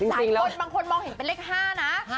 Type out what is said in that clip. บางคนบางคนมองเห็นเป็นเลข๕นะ